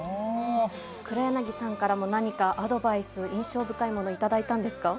黒柳さんからも、何かアドバイス、印象深いもの頂いたんですか？